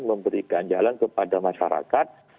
memberikan jalan kepada masyarakat